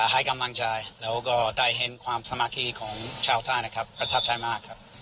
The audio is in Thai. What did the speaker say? ให้กำลังใจแล้วก็ได้เห็นความสมาธิของชาวท่านะครับประทับใจมากครับ